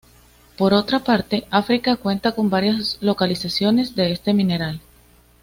Por otra parte, África cuenta con varias localizaciones de este mineral.